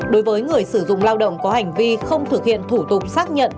đối với người sử dụng lao động có hành vi không thực hiện thủ tục xác nhận